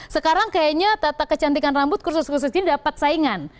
sekarang kayaknya tata kecantikan rambut kursus kursus ini dapat saingan